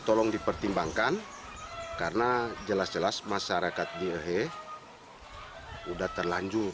tolong dipertimbangkan karena jelas jelas masyarakat di ahe sudah terlanjur